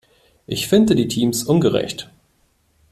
Ich finde die Teams ungerecht.